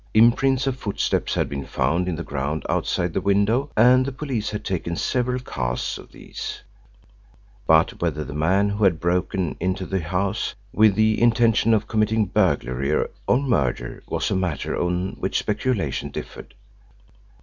Imprints of footsteps had been found in the ground outside the window, and the police had taken several casts of these; but whether the man who had broken into the house with the intention of committing burglary or murder was a matter on which speculation differed.